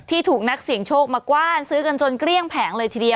ถูกนักเสี่ยงโชคมากว้านซื้อกันจนเกลี้ยงแผงเลยทีเดียว